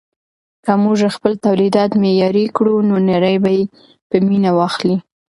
که موږ خپل تولیدات معیاري کړو نو نړۍ به یې په مینه واخلي.